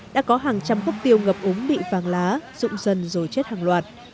đã có hàng trăm gốc tiêu ngập ống bị vàng lá rụng dần rồi chết hàng loạt